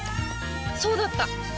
そうだった！